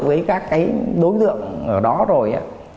với các đối tượng ở đó rồi